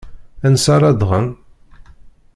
Ansa ara ddɣen?